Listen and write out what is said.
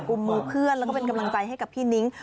ุมมือเพื่อนแล้วก็เป็นกำลังใจให้กับพี่นิ้ง